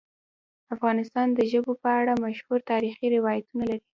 افغانستان د ژبو په اړه مشهور تاریخی روایتونه لري.